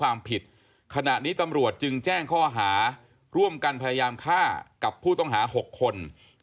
หากผู้ต้องหารายใดเป็นผู้กระทำจะแจ้งข้อหาเพื่อสรุปสำนวนต่อพนักงานอายการจังหวัดกรสินต่อไป